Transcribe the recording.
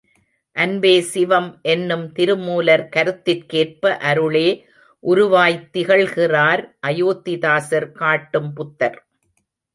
அன்பே சிவம் என்னும் திருமூலர் கருத்திற்கேற்ப அருளே உருவாய்த்திகழ்கிறார் அயோத்திதாசர் காட்டும் புத்தர்.